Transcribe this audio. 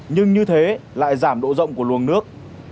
nhưng như thế lại giảm độ rộng của luồng nước